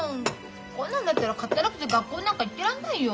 こんなんだったらかったるくて学校なんか行ってらんないよ。